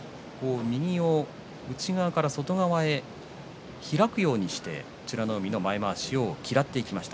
右を内側から外側に開くようにして美ノ海が前まわしを嫌っていきました。